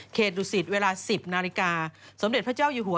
ดุสิตเวลา๑๐นาฬิกาสมเด็จพระเจ้าอยู่หัว